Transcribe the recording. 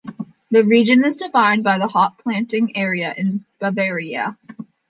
The region is defined by the hop-planting area in Bavaria.